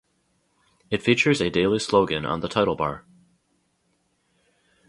It features a daily slogan on the title bar.